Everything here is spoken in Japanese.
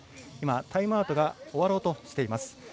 タイムアウトが終わろうとしています。